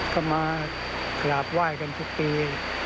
เขามาขลาบไหว้กันทุกปี